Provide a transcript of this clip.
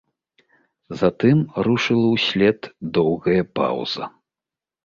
Затым рушыла ўслед доўгая паўза.